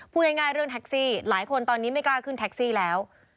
พูดง่ายเรื่องแท็กซี่หลายคนตอนนี้ไม่กล้าขึ้นแท็กซี่แล้ว